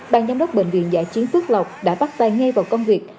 bàn giám đốc bệnh viện giả chiến phước lộc đã bắt tay ngay vào công việc